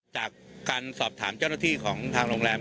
จากการสอบถามเจ้าหน้าที่ของทางโรงแรม